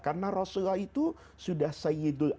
bersalawat alaihi atas orang itu